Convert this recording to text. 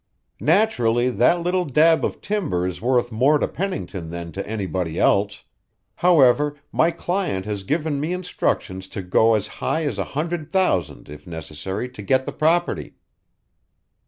"Naturally that little dab of timber is worth more to Pennington than to anybody else. However, my client has given me instructions to go as high as a hundred thousand if necessary to get the property."